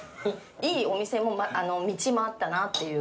いいお店も道もあったなっていう感じです。